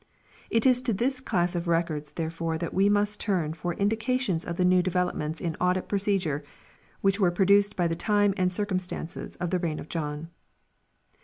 It is to this class of Records therefore that we must turn for indications of the new developments in audit procedure which were produced by the time and circumstances of the reign of John.